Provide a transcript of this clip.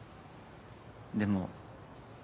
でも。